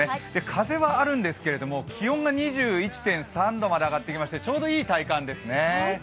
風はあるんですが、気温が２１．３度まで上がってきてちょうどいい体感ですね。